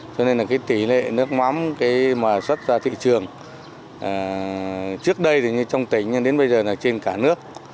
cho nên là cái tỷ lệ nước mắm mà xuất ra thị trường trước đây thì như trong tỉnh nhưng đến bây giờ là trên cả nước